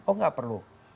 oh nggak perlu